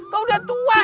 kau udah tua